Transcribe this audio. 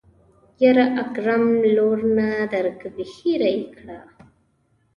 يره اکرم لور نه درکوي هېره يې که.